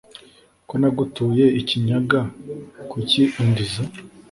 Ko nagutuye ikinyaga, kuki undiza